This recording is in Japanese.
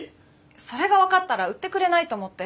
それが分かったら売ってくれないと思って。